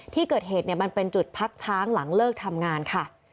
ที่เกิดเหตุมันเป็นจุดพักช้างหลังเลิกทำงานค่ะ